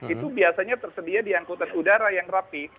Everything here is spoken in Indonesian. itu biasanya tersedia di angkutan udara yang rapi